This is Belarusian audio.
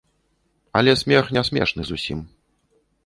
Але смех не смешны зусім.